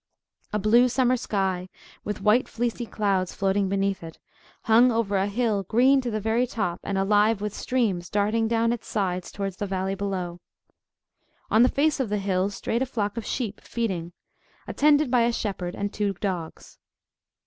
A blue summer sky, with white fleecy clouds floating beneath it, hung over a hill green to the very top, and alive with streams darting down its sides toward the valley below. On the face of the hill strayed a flock of sheep feeding, attended by a shepherd and two dogs.